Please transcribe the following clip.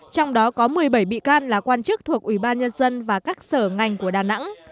trong đó có một mươi bảy bị can là quan chức thuộc ủy ban nhân dân và các sở ngành của đà nẵng